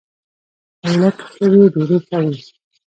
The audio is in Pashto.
اوړه که ښه وي، ډوډۍ ښه وي